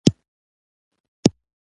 په جامو کې مې ځای نه راکاوه له خوشالۍ.